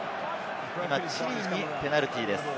今、チリにペナルティーです。